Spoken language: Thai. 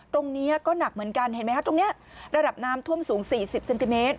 ตรงนี้ก็หนักเหมือนกันเห็นไหมคะตรงนี้ระดับน้ำท่วมสูง๔๐เซนติเมตร